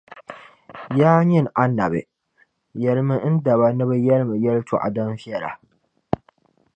Yaa nyini Annabi! Yεlimi N daba ni bɛ yεlimi yɛltɔɣa din viεla.